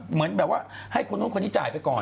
เหมือนแบบว่าให้คนนู้นคนนี้จ่ายไปก่อน